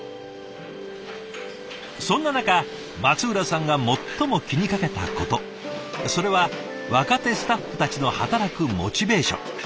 そんな中松浦さんが最も気にかけたことそれは若手スタッフたちの働くモチベーション。